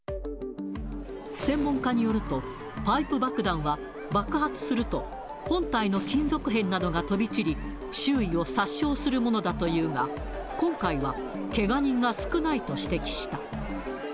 専門家によると、パイプ爆弾は爆発すると、本体の金属片などが飛び散り、周囲を殺傷するものだというが、今回はけが人が少ないと指摘した。